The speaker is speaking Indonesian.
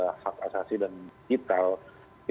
kita coba tanya ke pak rusdi